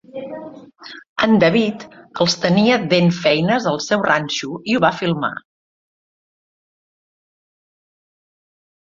En David els tenia dent feines al seu ranxo i ho va filmar.